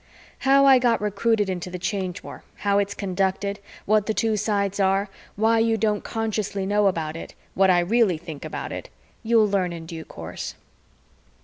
How I got recruited into the Change War, how it's conducted, what the two sides are, why you don't consciously know about it, what I really think about it you'll learn in due course.